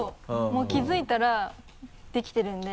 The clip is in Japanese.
もう気づいたらできてるんで。